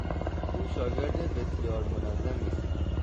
او شاگرد بسیار منظمی است.